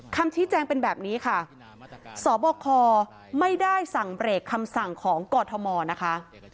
คำชี้แจงเป็นแบบนี้ค่ะสบคไม่ได้สั่งเบรกคำสั่งของกอทมนะคะ